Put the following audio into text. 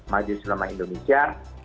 maju selama indonesia